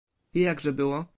"i jakże było?"